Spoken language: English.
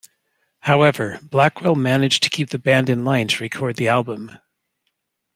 However, Blackwell managed to keep the band in line to record the album.